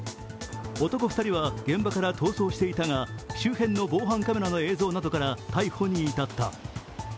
男２人は現場から逃走していたが、周辺の防犯カメラの映像などから逮捕に至った。